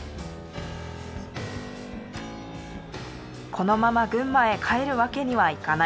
「このまま群馬へ帰るわけにはいかない」。